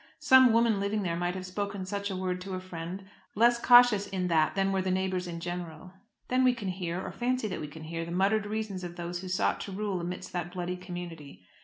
Some woman living there might have spoken such a word to a friend less cautious in that than were the neighbours in general. Then we can hear, or fancy that we can hear, the muttered reasons of those who sought to rule amidst that bloody community.